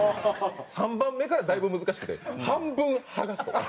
３番目からだいぶ難しくて半分剥がすとか。